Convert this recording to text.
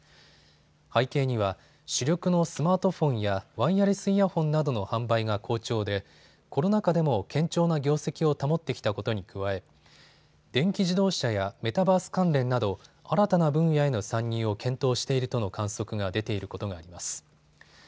背景には主力のスマートフォンやワイヤレスイヤホンなどの販売が好調でコロナ禍でも堅調な業績を保ってきたことに加え電気自動車やメタバース関連など新たな分野への参入を検討しているとの観測が出ていることがあります。